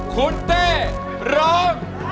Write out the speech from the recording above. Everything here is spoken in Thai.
คุณเต้ร้องได้